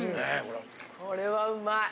これはうまい！